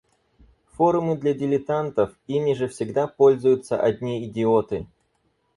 Форумы для дилетантов. Ими же всегда пользуются одни идиоты!